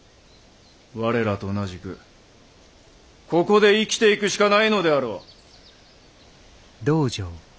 我らと同じくここで生きていくしかないのであろう！